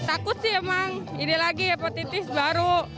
takut sih emang ini lagi hepatitis baru